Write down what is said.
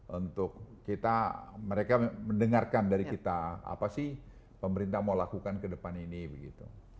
untuk kita mereka mendengarkan dari kita apa sih pemerintah mau lakukan ke depan ini begitu